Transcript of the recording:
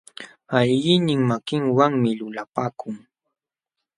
Alliqnin makinwanmi lulapakun.